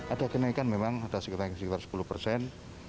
ada kenaikan memang ada sekitar sepuluh persen